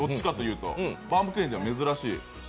バウムクーヘンでは珍しい。